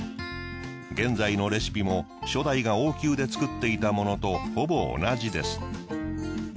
現在のレシピも初代が王宮で作っていたものとほぼ同じです。